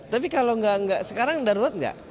tapi kalau enggak sekarang darurat enggak